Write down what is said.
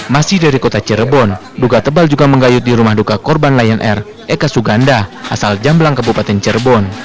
masih dari kota cirebon duga tebal juga menggayut di rumah duka korban lion air eka suganda asal jamblang kabupaten cirebon